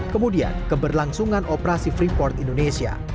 kemudian keberlangsungan operasi freeport indonesia